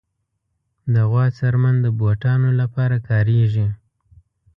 د غوا څرمن د بوټانو لپاره کارېږي.